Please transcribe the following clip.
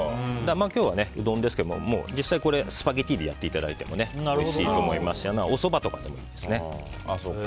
今日はうどんですけどもスパゲティでやっていただいてもおいしいと思いますしおそばとかでもいいですね。